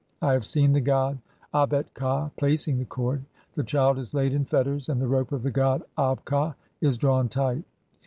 I have seen the god "Abet ka placing the cord ; the child is laid in (8) fetters, and "the rope of the god Ab ka is drawn tight